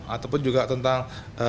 ataupun juga tentang